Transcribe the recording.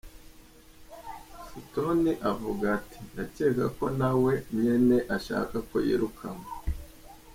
Sutton avuga ati:"Ndakeka ko nawe nyene ashaka ko yirukanwa.